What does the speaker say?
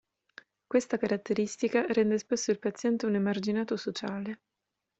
Questa caratteristica rende spesso il paziente un emarginato sociale.